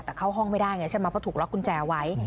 แต่เข้าห้องไม่ได้ไงใช่ไหมเพราะถูกล็อกกุญแจไว้